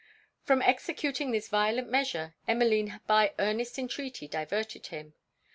From executing this violent measure, Emmeline by earnest entreaty diverted him.